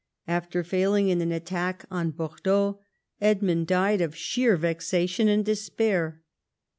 After fail ing in an attack on Bordeaux, Edmund died of sheer vexa tion and despair.